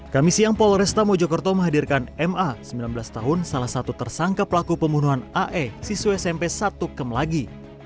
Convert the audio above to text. kami siang polresta mojokerto menghadirkan ma sembilan belas tahun salah satu tersangka pelaku pembunuhan ae siswa smp satu kem lagi